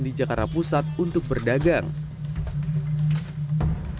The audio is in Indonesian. di jakarta pertama ini akan dilakukan dengan kemampuan yang lebih berguna dan lebih berguna